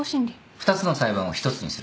２つの裁判を１つにする。